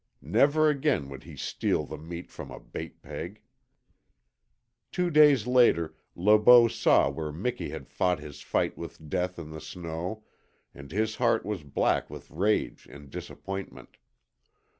Never again would he steal the meat from a bait peg. Two days later Le Beau saw where Miki had fought his fight with death in the snow and his heart was black with rage and disappointment.